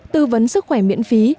tư vấn sức khỏe miễn phí